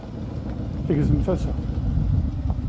tgezzem tasa.